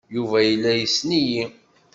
Yuba yella yessen-iyi.